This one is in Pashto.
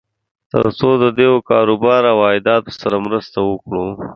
تر څو د دوی کار و بار او عایداتو سره مرسته وکړو.